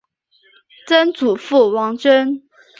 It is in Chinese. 曾祖父王珍。